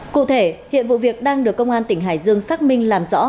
cụ thể hiện vụ việc đang được công an tỉnh hải dương xác minh làm rõ